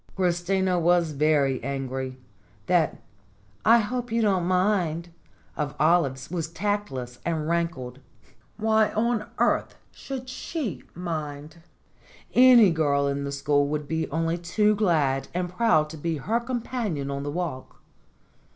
Christina was very angry. That "I hope you don't mind" of Olive's was tactless and rankled. Why on earth should she mind ? Any girl in the school would be only too glad and proud to be her companion on the walk.